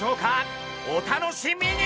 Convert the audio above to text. お楽しみに！